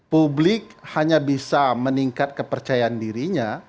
publik hanya bisa meningkat kepercayaan dirinya